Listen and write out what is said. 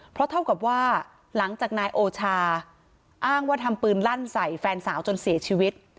เพราะเท่ากับว่าหลังจากนายโอชาอ้างว่าทำปืนลั่นใส่แฟนสาวจนเสียชีวิต